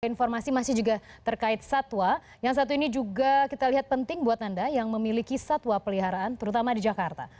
informasi masih juga terkait satwa yang satu ini juga kita lihat penting buat anda yang memiliki satwa peliharaan terutama di jakarta